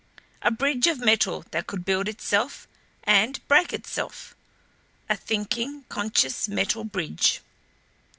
A bridge of metal that could build itself and break itself. A thinking, conscious metal bridge!